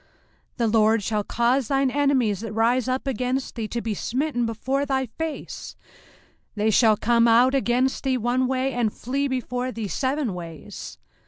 05:028:007 The LORD shall cause thine enemies that rise up against thee to be smitten before thy face: they shall come out against thee one way, and flee before thee seven ways.